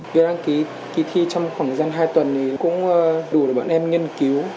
việc đăng ký kỳ thi trong khoảng thời gian hai tuần cũng đủ để bọn em nghiên cứu